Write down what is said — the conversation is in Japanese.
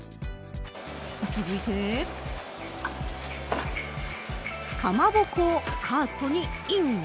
続いてかまぼこをカートにイン。